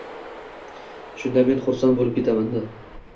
Shunda men xursand boʻlib ketaman